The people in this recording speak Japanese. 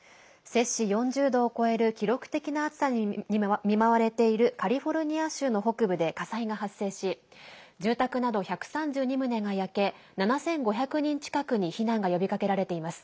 摂氏４０度を超える記録的な暑さに見舞われているカリフォルニア州の北部で火災が発生し住宅など１３２棟が焼け７５００人近くに避難が呼びかけられています。